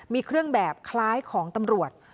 มีเครื่องแบบคล้ายของตำรวจ